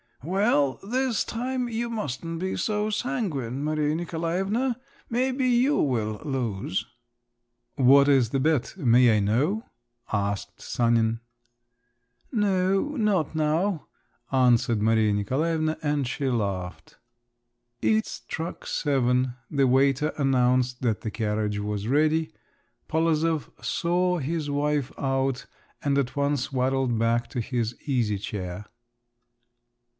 "Well, this time you mustn't be too sanguine, Maria Nikolaevna, maybe you will lose." "What is the bet? May I know?" asked Sanin. "No … not now," answered Maria Nikolaevna, and she laughed. It struck seven. The waiter announced that the carriage was ready. Polozov saw his wife out, and at once waddled back to his easy chair.